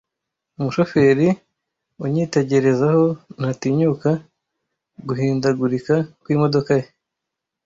Umushoferi unyitekerezaho ntatinyuka guhindagurika kwimodoka ye,